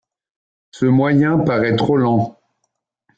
Ce moyen parait trop lent.